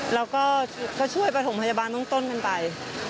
แล้วก็ช่วยประถมพยาบาลต้นกันไป